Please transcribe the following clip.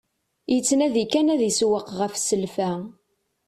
Yettnadi kan ad isewweq ɣef selfa.